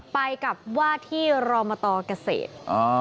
ไปกับว่าที่รอมตเกษตร